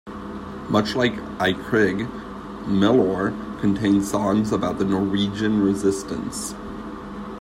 Much like I Krig, Milorg contains songs about the Norwegian resistance.